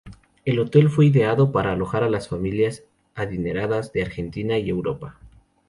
El hotel fue ideado para alojar a las familias adineradas de Argentina y Europa.